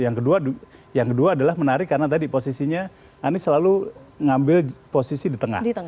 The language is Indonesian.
yang kedua adalah menarik karena tadi posisinya anies selalu ngambil posisi di tengah